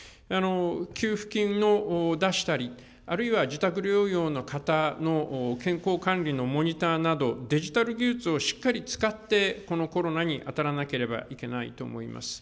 給付金を出したり、あるいは自宅療養の方の健康管理のモニターなど、デジタル技術をしっかり使って、このコロナに当たらなければいけないと思います。